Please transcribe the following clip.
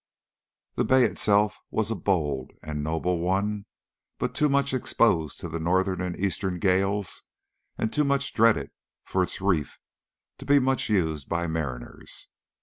The bay itself was a bold and noble one, but too much exposed to the northern and eastern gales, and too much dreaded for its reef, to be much used by mariners.